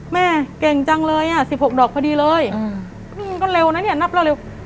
แม่เก่งจังเลยอ่ะสิบหกดอกพอดีเลยก็เร็วนะเนี่ยนับเร็ว